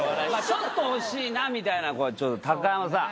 ちょっと惜しいなみたいなこれちょっと高山さん